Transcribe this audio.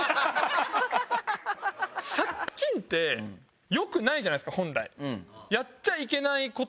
借金ってよくないじゃないですか本来。